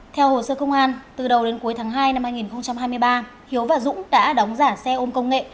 theo hồ sơ công an từ đầu đến cuối tháng hai năm hai nghìn hai mươi ba hiếu và dũng đã đóng giả xe ôm công nghệ